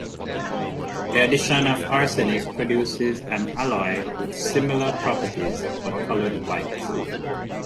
The addition of arsenic produces an alloy with similar properties but coloured white.